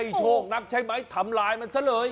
โชคนักใช่ไหมทำลายมันซะเลย